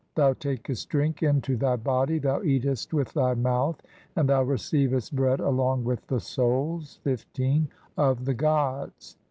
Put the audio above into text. Thou takest drink into thy body, thou eatest "with thy mouth, and thou receivest bread along with "the souls (15) of the gods.